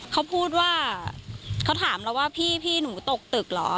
เขาพูดว่าเขาถามเราว่าพี่หนูตกตึกเหรอ